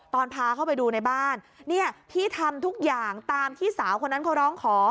ตอนพาเข้าไปดูในบ้านเนี่ยพี่ทำทุกอย่างตามที่สาวคนนั้นเขาร้องขอ